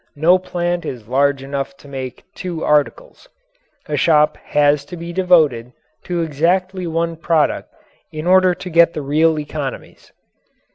No plant is large enough to make two articles. A shop has to be devoted to exactly one product in order to get the real economies.